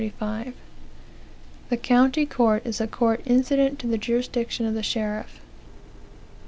"The county court is a court incident to the jurisdiction of the sheriff.